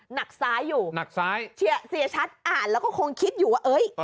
หนักซ้ายอยู่หนักซ้ายเสียชัดอ่านแล้วก็คงคิดอยู่ว่าเอ้ย